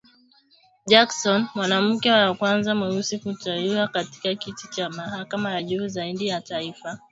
Jackson, mwanamke wa kwanza mweusi kuteuliwa katika kiti cha mahakama ya juu zaidi ya taifa, alifikia utaratibu wa kuulizwa maswali .